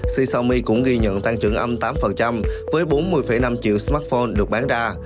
csaomi cũng ghi nhận tăng trưởng âm tám với bốn mươi năm triệu smartphone được bán ra